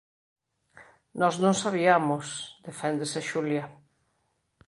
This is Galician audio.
Nós non sabiamos –deféndese Xulia.